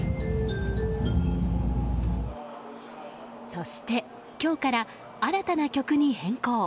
そして、今日から新たな曲に変更。